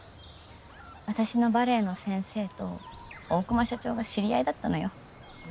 私のバレエの先生と大熊社長が知り合いだったのよ。